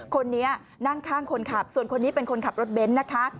คนนี้นั่งข้างคนขับส่วนคนนี้เป็นคนขับรถเบนท์นะคะ